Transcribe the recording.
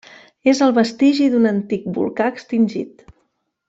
És el vestigi d'un antic volcà extingit.